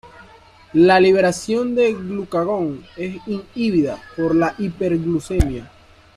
La liberación del glucagón es inhibida por la hiperglucemia.